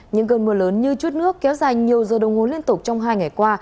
những cơn mưa lớn như chút nước kéo dài nhiều giờ đồng hồ liên tục trong hai ngày qua